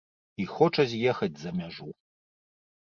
І хоча з'ехаць за мяжу.